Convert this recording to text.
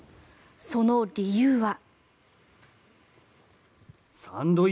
その理由は。